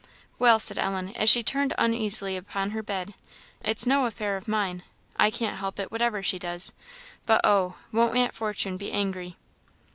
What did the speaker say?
"Well," said Ellen, as she turned uneasily upon her bed, "it's no affair of mine; I can't help it, whatever she does. But oh! wont Aunt Fortune be angry!"